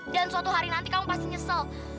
dan suatu hari nanti kamu pasti nyesel